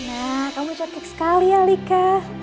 nah kamu cantik sekali ya lika